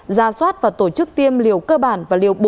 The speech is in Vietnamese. ra soát và tổ chức tiêm liều cơ bản và liều bẩ